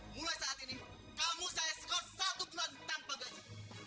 mulai saat ini kamu saya skor satu bulan tanpa gaji